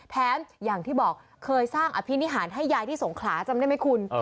อย่างที่บอกเคยสร้างอภินิหารให้ยายที่สงขลาจำได้ไหมคุณ